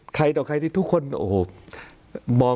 ใครแต่ไปทุกคนโอ้โห